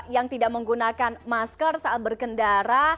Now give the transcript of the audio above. yang tidak menggunakan masker saat berkendara